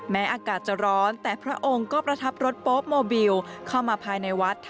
อากาศจะร้อนแต่พระองค์ก็ประทับรถโป๊โมบิลเข้ามาภายในวัด